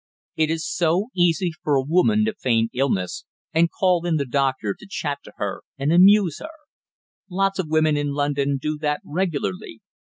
It is so easy for a woman to feign illness and call in the doctor to chat to her and amuse her. Lots of women in London do that regularly.